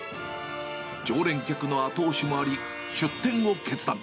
常連客の後押しもあり、出店を決断。